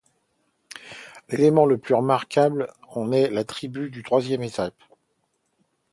L'élément de plus remarquable en est la tribune du troisième étage.